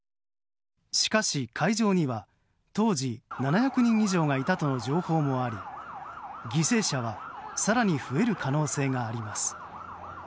しかし会場には当時７００人以上がいたとの情報もあり犠牲者は更に増える可能性があります。